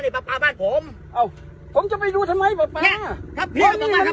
นี่ปลาปลาบ้านผมอ้าวผมจะไปดูทำไมปลาปลาเนี้ยมันไม่ใช่สองปลา